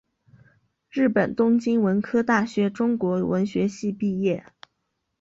日本东京文科大学中国文学系毕业。